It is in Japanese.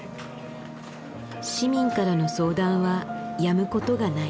市民からの相談はやむことがない。